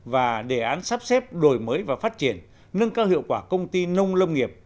và đề án sắp xếp đổi mới và phát triển nâng cao hiệu quả công ty nông lâm nghiệp